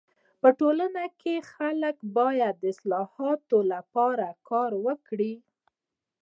په ټولنه کي خلک باید د اصلاحاتو لپاره کار وکړي.